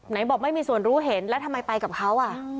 ไหนบอกไม่มีส่วนรู้เห็นแล้วทำไมไปกับเขา